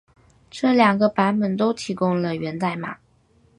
这两个版本都提供了源代码。